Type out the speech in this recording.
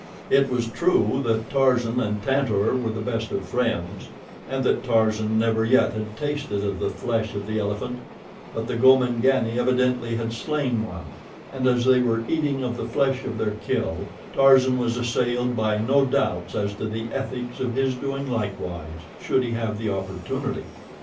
It was true that Tarzan and Tantor were the best of friends, and that Tarzan never yet had tasted of the flesh of the elephant; but the Gomangani evidently had slain one, and as they were eating of the flesh of their kill, Tarzan was assailed by no doubts as to the ethics of his doing likewise, should he have the opportunity.